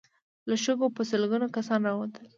له شګو په سلګونو کسان را ووتل.